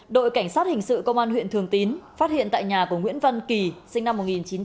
đội cảnh sát hình sự công an huyện thường tín phát hiện tại nhà của nguyễn văn kỳ sinh năm một nghìn chín trăm tám mươi